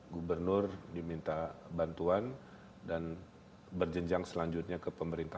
muhammad juwanda bogor jawa barat